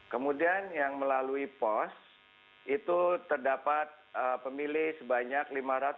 kemudian yang melalui pos itu terdapat pemilih sebanyak lima ratus dua puluh lima